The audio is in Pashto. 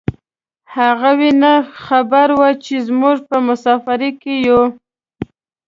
هغوی نه خبر و چې موږ په مسافرۍ کې یو.